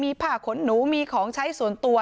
มีผ้าขนหนูมีของใช้ส่วนตัว